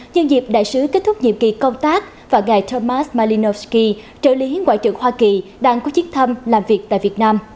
nhân dịp đại sứ kết thúc nhiệm kỳ công tác và ngài thomas malynovsky trợ lý ngoại trưởng hoa kỳ đang có chức thăm làm việc tại việt nam